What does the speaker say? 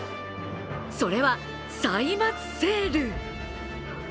それは、歳末セール。